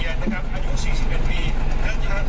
และยามแต่ว่าโตนะครับ